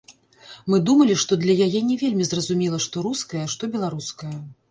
Мы думалі, што для яе не вельмі зразумела, што руская, што беларуская.